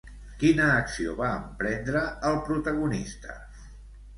Quina acció va emprendre el protagonista?